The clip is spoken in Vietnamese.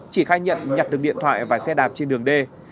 chỉ khai nhận nhặt được điện thoại và xe đạp trên đường d